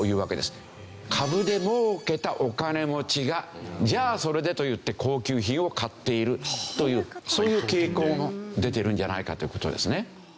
株で儲けたお金持ちが「じゃあそれで」と言って高級品を買っているというそういう傾向も出てるんじゃないかという事ですね。